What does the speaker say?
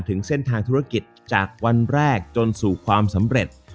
ถึงเส้นทางธุรกิจจากวันแรกจนสู่ความสำเร็จ